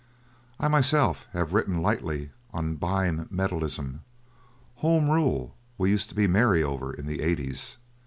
I myself have written lightly on Bime metallism. Home Rule we used to be merry over in the eighties.